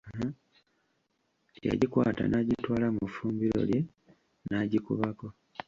Yagikwata n'agitwala mu ffumbiro lye n'agikubako.